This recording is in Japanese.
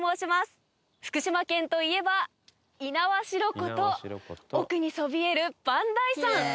福島県といえば猪苗代湖と奥にそびえる磐梯山。